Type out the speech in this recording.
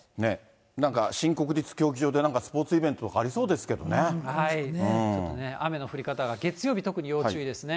なんか新国立競技場でなんかスポーツイベントとかありそうでちょっとね、雨の降り方が月曜日、要注意ですね。